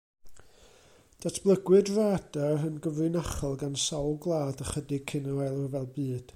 Datblygwyd radar yn gyfrinachol gan sawl gwlad ychydig cyn yr Ail Ryfel Byd.